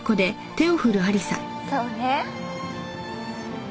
そうね。